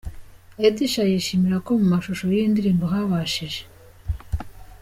Edsha yishimira ko mu mashusho yiyi ndirimbo habashije.